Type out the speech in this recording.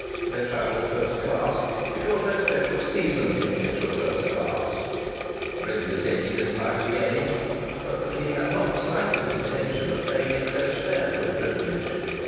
They travelled first class because their special season tickets were first class, Brindley said that he didn't mind a game, but that he had not the slightest intention of paying excess fare for the privilege.